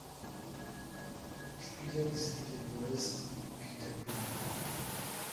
Spielen Sie den neuesten Peter Green.